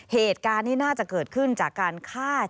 เหตุการณ์นี้น่าจะเกิดขึ้นจากการฆ่า